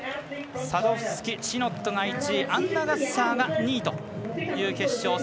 サドフスキシノットが１位アンナ・ガッサーが２位という決勝